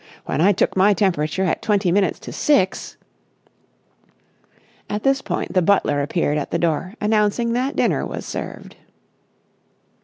When I took my temperature at twenty minutes to six...." At this point the butler appeared at the door announcing that dinner was served.